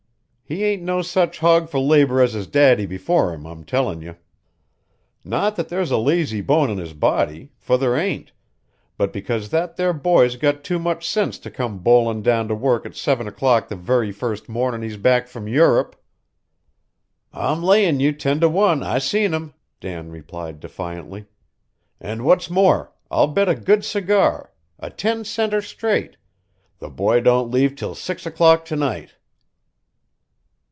He aint no such hog for labour as his daddy before him, I'm tellin' you. Not that there's a lazy bone in his body, for there ain't, but because that there boy's got too much sense to come bollin' down to work at seven o'clock the very first mornin' he's back from Yurrup." "I'm layin' you ten to one I seen him," Dan replied defiantly, "an' what's more, I'll bet a good cigar a ten center straight the boy don't leave till six o'clock to night."